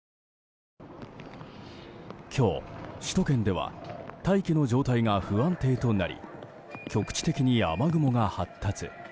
今日、首都圏では大気の状態が不安定となり局地的に雨雲が発達。